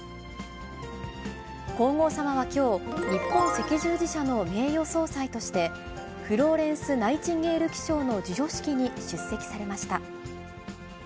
皇后さまはきょう、日本赤十字社の名誉総裁として、フローレンス・ナイチンゲール記章の授与式に出席されました。